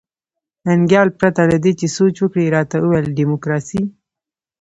ننګیال پرته له دې چې سوچ وکړي راته وویل ډیموکراسي.